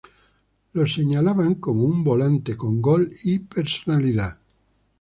Lo señalaban como un volante con gol y personalidad.